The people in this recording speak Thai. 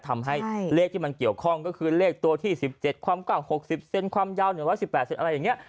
ทำให้เลขที่มันเกี่ยวข้องก็คือเลขตัวที่๑๗ความกว้าง๖๐เซนความยาว๑๑๘เซนอะไรอย่างนี้